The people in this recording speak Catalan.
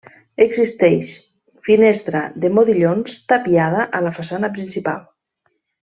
Existeix finestra de modillons tapiada a la façana principal.